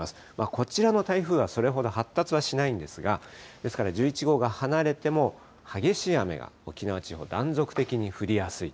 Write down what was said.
こちらの台風は、それほど発達はしないんですが、ですから、１１号が離れても激しい雨が沖縄地方、断続的に降りやすい。